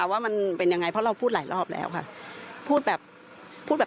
ว่ามันเป็นยังไงเพราะเราพูดหลายรอบแล้วค่ะพูดแบบพูดแบบ